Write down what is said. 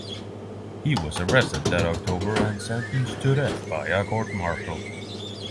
He was arrested that October and sentenced to death by a court-martial.